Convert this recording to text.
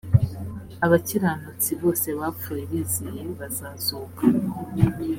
abakiranutsi bose bapfuye bizeye bazazuka